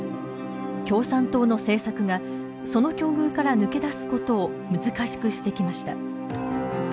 共産党の政策がその境遇から抜け出すことを難しくしてきました。